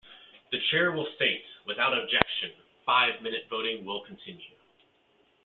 The chair will state, "Without objection, five minute voting will continue.